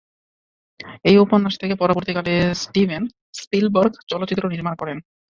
এই উপন্যাস থেকে পরবর্তীকালে স্টিভেন স্পিলবার্গ চলচ্চিত্র নির্মাণ করেন।